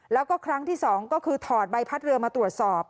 แล้วก็ครั้งที่๒ก็คือถอดใบพัดเรือมาตรวจสอบ